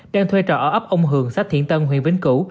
đang thuê trò ở ấp ông hường sách thiện tân huyền bình cụ